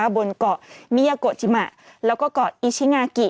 บนเกาะมิยาโกจิมะแล้วก็เกาะอิชิงากิ